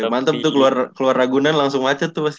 mantep tuh keluar ragunan langsung macet tuh pas itu